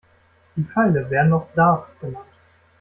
Die Pfeile werden auch Darts genannt.